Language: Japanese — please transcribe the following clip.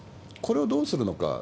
これをどうするのか。